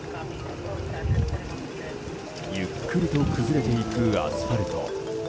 ゆっくりと崩れていくアスファルト。